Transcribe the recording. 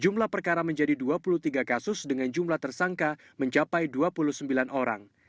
jumlah perkara menjadi dua puluh tiga kasus dengan jumlah tersangka mencapai dua puluh sembilan orang